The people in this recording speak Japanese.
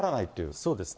そうですね。